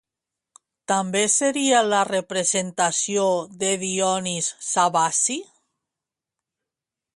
També seria la representació de Dionís Sabazi?